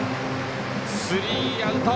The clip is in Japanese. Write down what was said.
スリーアウト。